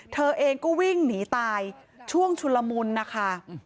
เธอเองก็วิ่งหนีตายช่วงชุลมุนนะคะ